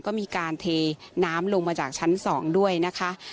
ก็มีการเทน้ำลงมาจากชั้น๒ด้วยนะคะ